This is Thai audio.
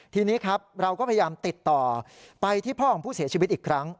ทีนี้ครับเราก็พยายามติดต่อไปที่พ่อของผู้เสียชีวิตอีกครั้ง